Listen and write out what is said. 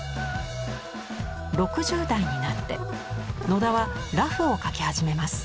６０代になって野田は裸婦を描き始めます。